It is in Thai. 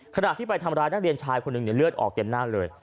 ขณะที่ไปทำร้ายนักเรียนชายคนหนึ่งเลือดออกเต็มหน้าเลย